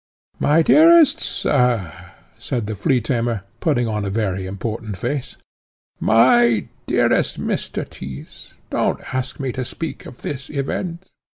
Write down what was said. "My dearest sir," said the Flea tamer, putting on a very important face, "my dearest Mr. Tyss, don't ask me to speak of this event.